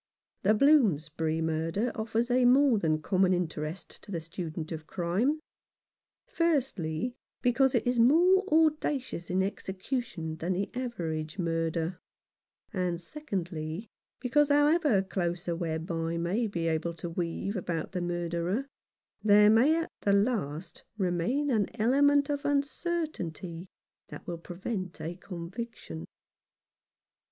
The Bloomsbury murder offers a more than common interest to the student of crime, firstly, because it is more audacious in execution than the average murder ; and secondly, because however close a web I may be able to weave about the murderer, there may at the last remain an element of uncertainty that will prevent a conviction.